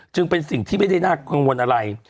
จึงเป็นสิ่งที่ไม่ได้น่ากังวลอะไร